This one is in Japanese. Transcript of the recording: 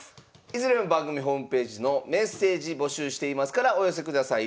いずれも番組ホームページの「メッセージ募集しています」からお寄せください。